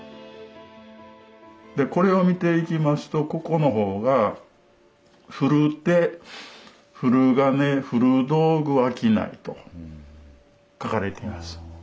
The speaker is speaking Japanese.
でこれを見ていきますとここの方が「古手古金古道具商い」と書かれています。